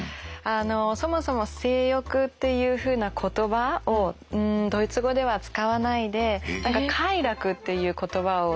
そもそも「性欲」っていうふうな言葉をドイツ語では使わないで何か「快楽」っていう言葉を使いますね。